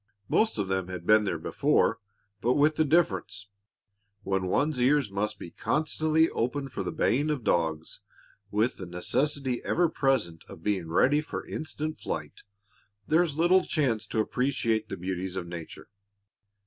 Most of them had been there before, but with a difference. When one's ears must be constantly open for the baying of dogs, with the necessity ever present of being ready for instant flight, there is little chance to appreciate the beauties of nature.